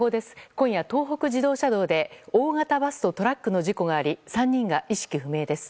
今夜東北自動車道で大型バスとトラックの事故があり３人が意識不明です。